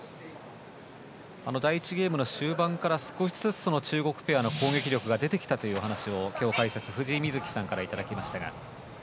第１ゲームの終盤から少しずつ中国ペアの攻撃力が出てきたという話を今日、解説の藤井瑞希さんから伺いましたが。